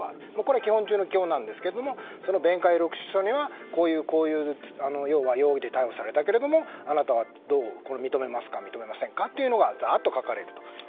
基本中の基本ですがそして、こういう容疑で逮捕されたけれどもあなたは認めますか認めませんかというのがずらっと書かれる。